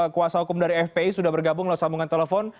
kuasa hukum dari fpi sudah bergabung lewat sambungan telepon